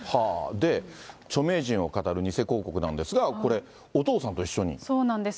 で、著名人をかたる偽広告なんですが、これ、おそうなんです。